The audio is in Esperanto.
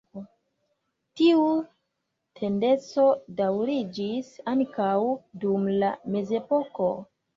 Tiu tendenco daŭriĝis ankaŭ dum la mezepoko.